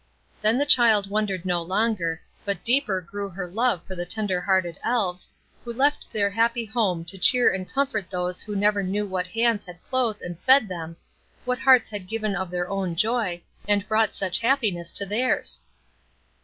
Then the child wondered no longer, but deeper grew her love for the tender hearted Elves, who left their own happy home to cheer and comfort those who never knew what hands had clothed and fed them, what hearts had given of their own joy, and brought such happiness to theirs.